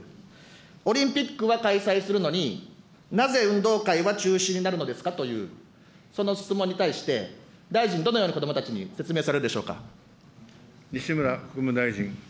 オリンピックは開催するのに、なぜ運動会は中止になるのですかという、その質問に対して、大臣、どのように子どもたちに説明されるでしょうか。